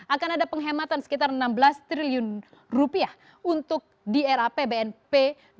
akan ada penghematan sekitar enam belas triliun rupiah untuk di era pbnp dua ribu dua puluh